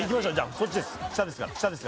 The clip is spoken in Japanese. そっちです。